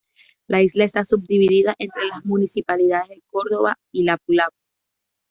La isla está subdividida entre las municipalidades de Córdova y Lapu-Lapu.